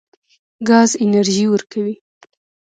ګاز انرژي ورکوي.